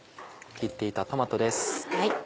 切っていたトマトです。